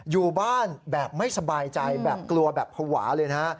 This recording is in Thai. อยู่บ้านแบบไม่สบายใจแบบกลัวแบบภาวะเลยนะฮะ